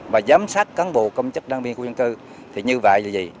và giám sát cán bộ công chức đảng viên quốc dân cư thì như vậy là gì